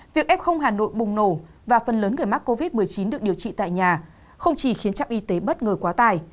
việc f hà nội bùng nổ và phần lớn người mắc covid một mươi chín được điều trị tại nhà không chỉ khiến trạm y tế bất ngờ quá tài